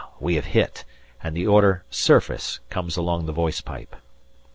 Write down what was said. we have hit, and the order "Surface" comes along the voice pipe.